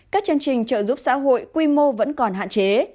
các chương trình trợ giúp xã hội quy mô vẫn còn hạn chế